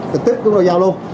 thực tức chúng tôi giao luôn